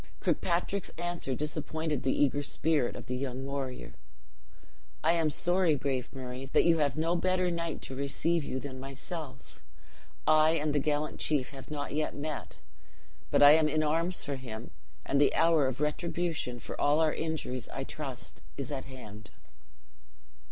Kirkpatrick's answer disappointed the eager spirit of the young warrior: "I am sorry, brave Murray, that you have no better knight to receive you than myself. I and the gallant chief have not yet met; but I am in arms for him; and the hour of retribution for all our injuries, I trust, is at hand."